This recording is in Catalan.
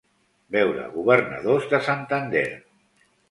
Veure Governadors de Santander.